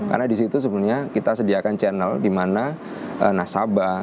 karena di situ sebenarnya kita sediakan channel di mana nasabah